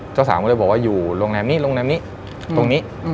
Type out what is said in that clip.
เจ้าสาวก็เลยบอกว่าอยู่โรงแรมนี้โรงแรมนี้ตรงนี้